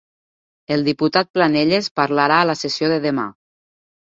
El diputat Planelles parlarà a la sessió de demà.